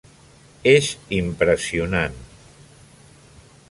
És impressionant!